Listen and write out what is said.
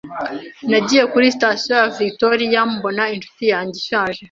Nagiye kuri Sitasiyo ya Victoria, mbona inshuti yanjye ishaje.